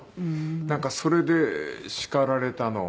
なんかそれで叱られたのを。